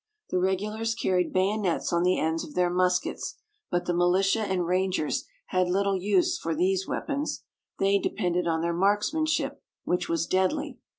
The regulars carried bayonets on the ends of their muskets, but the militia and rangers had little use for these weapons. They depended on their marksmanship, which was deadly.